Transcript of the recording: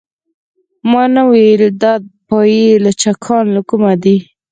ما نه ویل دا پايي لچکان له کومه دي.